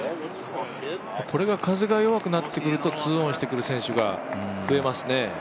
これが風が弱くなってくると２オンしてくる選手が増えますね。